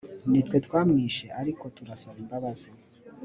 nitwe twamishe ariko turasaba imbabazi